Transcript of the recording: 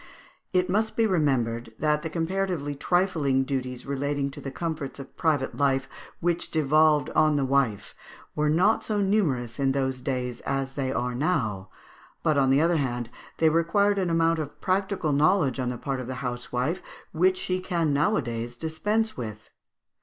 It must be remembered that the comparatively trifling duties relating to the comforts of private life, which devolved on the wife, were not so numerous in those days as they are now; but on the other hand they required an amount of practical knowledge on the part of the housewife which she can nowadays dispense with.